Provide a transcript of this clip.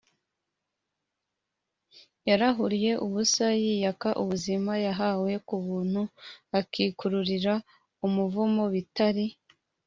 yararuhiye ubusa, yiyaka ubuzima yahawe ku buntu ; akikururira umuvumo bitari